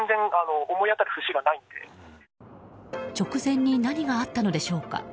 直前に何があったのでしょうか。